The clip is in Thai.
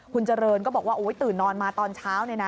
คุณเจริญก็บอกว่าตื่นนอนมาตอนเช้าเลยนะ